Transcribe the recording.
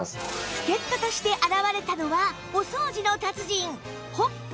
助っ人として現れたのはお掃除の達人ホップ駒谷